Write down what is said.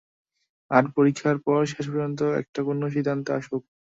আর পরীক্ষার পর শেষপর্যন্ত একটা কোনো সিদ্ধান্তে আসুক।